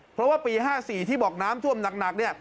เพราะว่าปี๕๔ที่บอกน้ำท่วมหนักเนี่ย